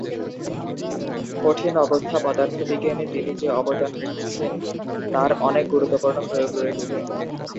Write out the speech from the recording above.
কঠিন অবস্থা পদার্থবিজ্ঞানে তিনি যে অবদান রেখেছেন তার অনেক গুরুত্বপূর্ণ প্রয়োগ রয়েছে।